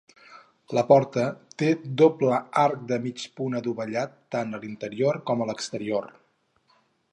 La porta té doble arc de mig punt adovellat tant a l'interior com a l'exterior.